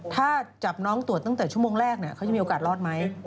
ถ้าจับน้องตรวจตั้งแต่ชั่วโมงแรกเขาจะมีโอกาสรอดไหม